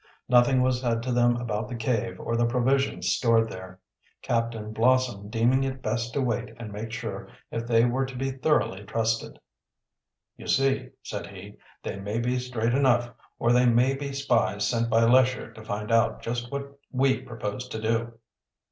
Nothing was said to them about the cave or the provisions stored there, Captain Blossom deeming it best to wait and make sure if they were to be thoroughly trusted. "You see," said he, "they may be straight enough, or they may be spies sent by Lesher to find out just what we propose to do."